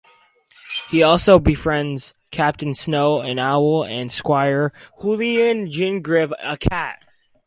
He also befriends Captain Snow, an owl, and Squire Julian Gingivere, a cat.